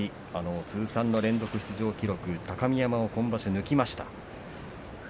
通算の連続出場を記録し高見山を今場所抜きました。